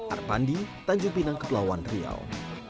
arpandi tanjung pinang kepulauan riau